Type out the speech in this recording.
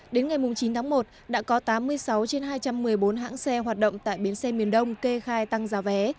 đến ngày chín tháng một đã có tám mươi sáu trên hai trăm một mươi bốn hãng xe hoạt động tại bến xe miền đông kê khai tăng giá vé